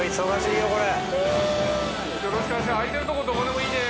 よろしくお願いします。